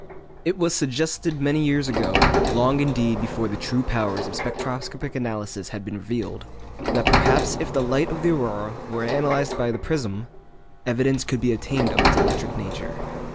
It was suggested many years ago, long indeed before the true powers of spectroscopic analysis had been revealed, that perhaps if the light of the aurora were analysed by the prism, evidence could be obtained of its electric nature.